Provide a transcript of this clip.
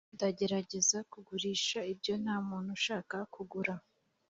ndagerageza kugurisha ibyo ntamuntu ushaka kugura;